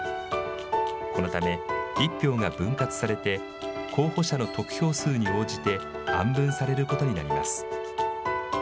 このため、１票が分割されて、候補者の得票数に応じて、案分されることになります。